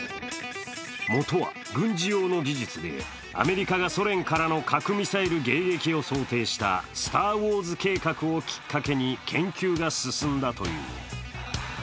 元は軍事用の技術で、アメリカがソ連からの核ミサイル迎撃を想定したスターウォーズ計画をきっかけに研究が進んだという。